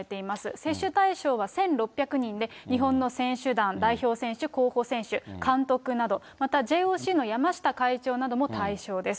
接種対象は１６００人で、日本の選手団、代表選手、候補選手、監督など、またＪＯＣの山下会長なども対象です。